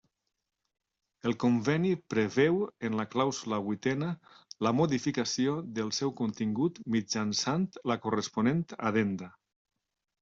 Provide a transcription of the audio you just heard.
El conveni preveu en la clàusula huitena la modificació del seu contingut mitjançant la corresponent addenda.